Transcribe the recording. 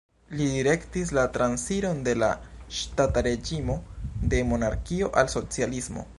Li direktis la transiron de la ŝtata reĝimo de monarkio al socialismo.